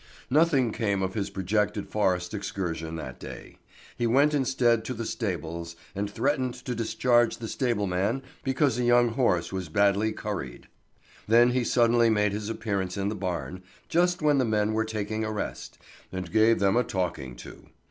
Nothing came of his projected forest excursion that day. He went instead to the stables, and threatened to discharge the stableman because a young horse was badly curried. Then he suddenly made his appearance in the barn, just when the men were taking a rest, and gave them a talking to.